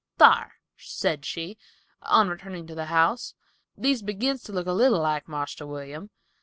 "Thar," said she, on returning to the house, "these begins to look a little like Marster William.